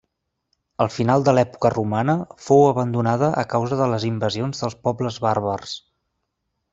Al final de l'època romana fou abandonada a causa de les invasions dels pobles bàrbars.